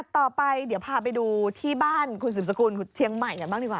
ต่อไปเดี๋ยวพาไปดูที่บ้านคุณสืบสกุลเชียงใหม่กันบ้างดีกว่า